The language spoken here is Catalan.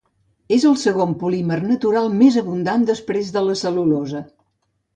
És el segon polímer natural més abundant després de la cel·lulosa.